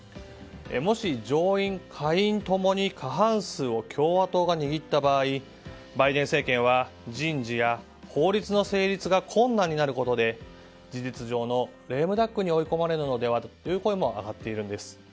もし、上院・下院共に過半数を共和党が握った場合バイデン政権は、人事や法律の成立が困難になることで事実上のレームダックに追い込まれるのではという声も上がっているんです。